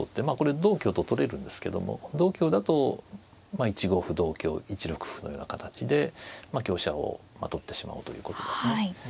まあこれ同香と取れるんですけども同香だと１五歩同香１六歩のような形で香車を取ってしまおうということですね。